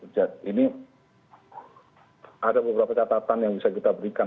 ini ada beberapa catatan yang bisa kita berikan